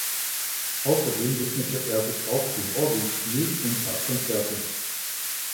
Außerdem widmete er sich auch dem Orgelspiel und gab Konzerte.